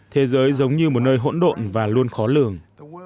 thế giới giống như một nơi hỗn độn và luôn khó lường